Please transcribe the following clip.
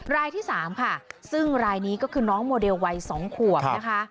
รายที่๓ค่ะซึ่งรายนี้ก็คือน้องโมเดลวัย๒ขวบนะคะ